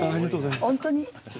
本当に。